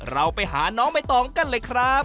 เราไปหาน้องใบตองกันเลยครับ